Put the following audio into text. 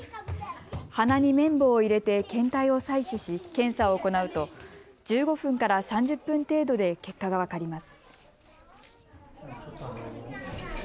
鼻に綿棒を入れて検体を採取し検査を行うと１５分から３０分程度で結果が分かります。